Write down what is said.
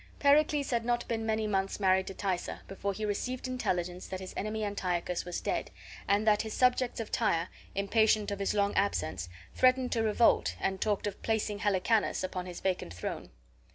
Pericles had not been many months married to Thaisa before he received intelligence that his enemy Antiochus was dead, and that his subjects of Tyre, impatient of his long absence, threatened to revolt and talked of placing Helicanus upon his vacant throne.